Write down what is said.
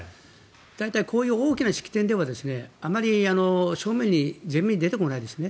大体、こういう大きな式典ではあまり正面、前面に出てこないですね。